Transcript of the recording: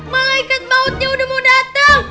malaikat mautnya udah mau datang